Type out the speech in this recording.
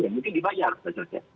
ya mungkin dibayar advisorsnya